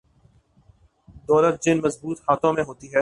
دولت جن مضبوط ہاتھوں میں ہوتی ہے۔